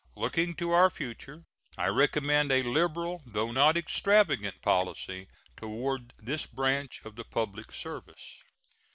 Looking to our future, I recommend a liberal, though not extravagant, policy toward this branch of the public service.